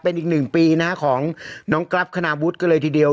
เป็นอีกหนึ่งปีนะฮะของน้องกรัฟคณาวุฒิก็เลยทีเดียว